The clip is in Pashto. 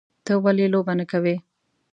_ته ولې لوبه نه کوې؟